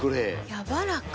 やわらか。